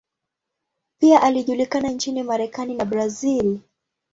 Pia alijulikana nchini Marekani na Brazil.